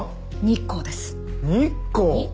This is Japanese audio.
日光？